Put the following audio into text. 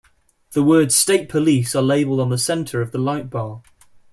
The words "State Police" are labelled on the center of the light bar.